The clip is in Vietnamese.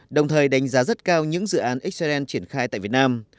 đồng thời đánh giá rất cao những dự án xrn triển khai tại việt nam